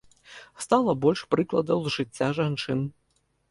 Стала больш прыкладаў з жыцця жанчын.